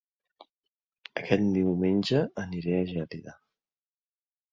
Aquest diumenge aniré a Gelida